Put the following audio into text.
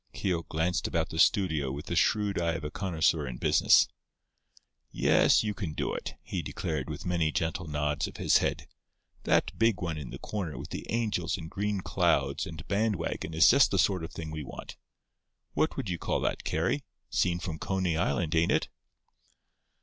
Keogh glanced about the studio with the shrewd eye of a connoisseur in business. "Yes, you can do it," he declared, with many gentle nods of his head. "That big one in the corner with the angels and green clouds and band wagon is just the sort of thing we want. What would you call that, Carry—scene from Coney Island, ain't it?"